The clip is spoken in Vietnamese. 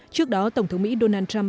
trước đó tổng thống mỹ donald trump